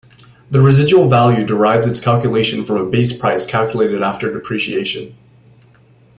The residual value derives its calculation from a base price, calculated after depreciation.